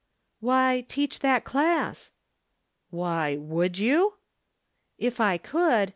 " Why, teach that class." " Why, would you? "" If I could.